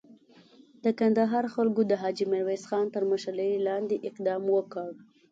د کندهار خلکو د حاجي میرویس خان تر مشري لاندې اقدام وکړ.